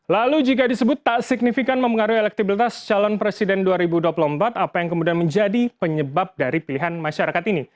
lalu jika disebut tak signifikan mempengaruhi elektibilitas calon presiden dua ribu dua puluh empat apa yang kemudian menjadi penyebab dari pilihan masyarakat ini